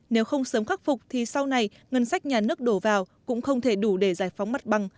nếu không sớm khắc phục thì sau này ngân sách nhà nước đổ vào cũng không thể đủ để giải phóng mặt bằng